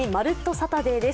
サタデー」です。